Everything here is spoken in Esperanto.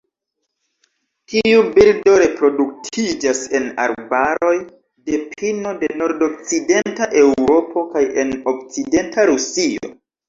Tiu birdo reproduktiĝas en arbaroj de pino de nordokcidenta Eŭropo kaj en okcidenta Rusio.